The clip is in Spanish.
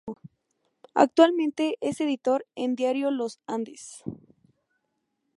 Actualmente es editor en diario Los Andes.